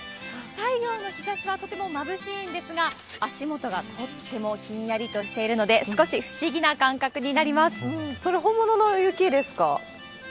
太陽の日ざしはとてもまぶしいんですが、足元がとってもひんやりとしているので、少し不思議な感覚になりそれ、本物の雪ですか？